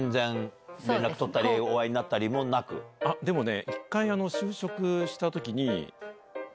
でもね。